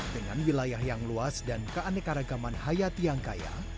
dengan wilayah yang luas dan keanekaragaman hayat yang kaya